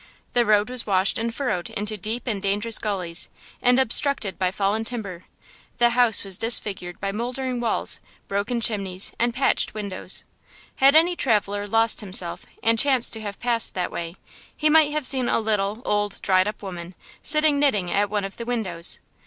The road was washed and furrowed into deep and dangerous gullies, and obstructed by fallen timber; the house was disfigured by moldering walls, broken chimneys and patched windows. Had any traveler lost himself and chanced to have passed that way, he might have seen a little, old, dried up woman, sitting knitting at one of the windows.